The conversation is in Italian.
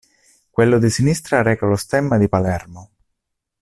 Quello di sinistra reca lo Stemma di Palermo.